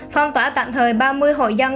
phong tỏa tạm thời ba mươi hội dân